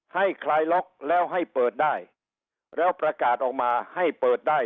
คลายล็อกแล้วให้เปิดได้แล้วประกาศออกมาให้เปิดได้